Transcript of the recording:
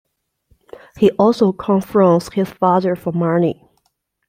He also confronts his father for money.